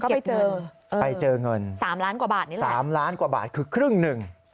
ไปเจอไปเจอเงิน๓ล้านกว่าบาทนี่แหละ๓ล้านกว่าบาทคือครึ่งหนึ่ง